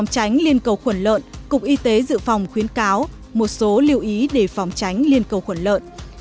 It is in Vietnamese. tránh liên cầu khuẩn lợn cục y tế dự phòng khuyến cáo một số lưu ý để phòng tránh liên cầu khuẩn lợn